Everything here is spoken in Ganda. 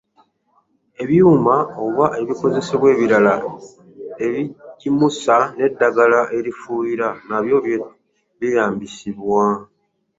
Ebyuma oba ebikozesebwa ebirala, ebijimusa n’eddagala erifuuyira nabyo byeyambisibwa.